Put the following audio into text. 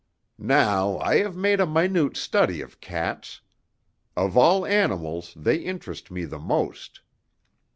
"Now, I have made a minute study of cats. Of all animals they interest me the most.